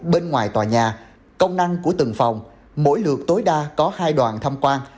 bên ngoài tòa nhà công năng của từng phòng mỗi lượt tối đa có hai đoàn thăm quan